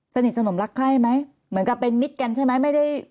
สนิทสนมรักใคร่ไหมเหมือนกับเป็นมิตรกันใช่ไหมไม่ได้